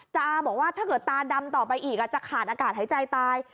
จาบอกว่าถ้าเกิดตาดำต่อไปอีกจะขาดอากาศหายใจตาย